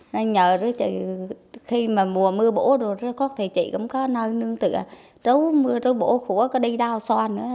nên nhờ chị khi mà mùa mưa bổ rồi chị cũng có nơi nương tựa trấu mưa trấu bổ khổ có đi đao xoan nữa